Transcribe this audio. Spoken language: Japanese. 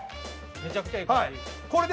めちゃくちゃいい香り。